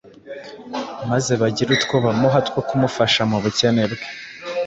maze bagire utwo bamuha two kumufasha mu bukene bwe.